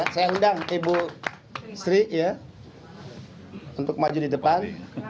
saya undang ibu sri ya untuk maju di depan